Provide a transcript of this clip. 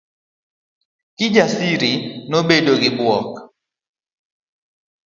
Kijasiri nobedo gi buok.